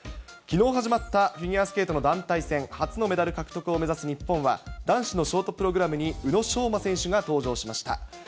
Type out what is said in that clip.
きのう始まったフィギュアスケートの団体戦、初のメダル獲得を目指す日本は、男子のショートプログラムに宇野昌磨選手が登場しました。